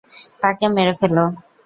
তাকে মেরে ফেল!